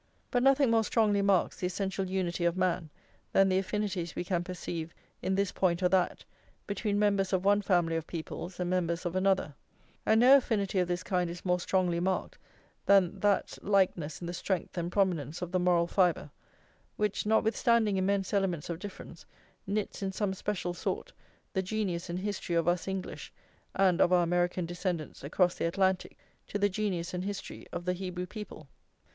But nothing more strongly marks the essential unity of man than the affinities we can perceive, in this point or that, between members of one family of peoples and members of another; and no affinity of this kind is more strongly marked than that likeness in the strength and prominence of the moral fibre, which, notwithstanding immense elements of difference, knits in some special sort the genius and history of us English, and of our American descendants across the Atlantic, to the genius and history of the Hebrew people.